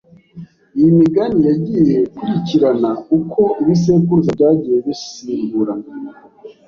Iyi migani yagiye ikurikirana uko ibisekuruza byagiye bisimburana.